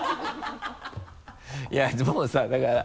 いやもうさだから。